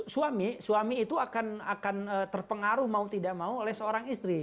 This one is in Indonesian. suami suami itu akan terpengaruh mau tidak mau oleh seorang istri